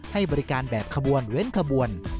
ให้บริการแบบขบวนเว้นขบวน